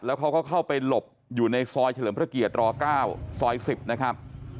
แล้วเขาก็เข้าไปหลบอยู่ในซอยเฉลิมพระเกียร๙ซอย๑๐นะครับ